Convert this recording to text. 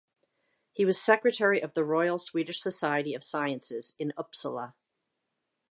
He was secretary of the Royal Swedish Society of Sciences in Uppsala.